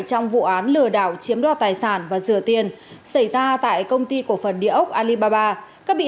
của tòa án lừa đảo chiếm đo tài sản và rửa tiền xảy ra tại công ty cổ phần địa óc alibaba các bị